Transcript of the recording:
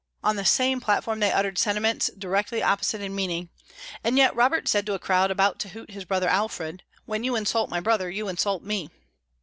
On the same platform they uttered sentiments directly opposite in meaning. And yet, Robert said to a crowd about to hoot his brother Alfred, "When you insult my brother you insult me."